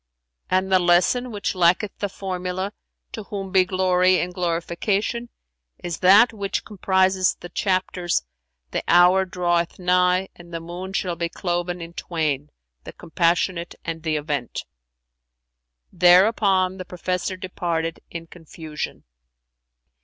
'[FN#390] And the lesson, which lacketh the formula, 'To Whom be glory and glorification,' is that which comprises the chapters, The Hour draweth nigh and the Moon shall be cloven in twain[FN#391]; The Compassionate and The Event."[FN#392] Thereupon the professor departed in confusion.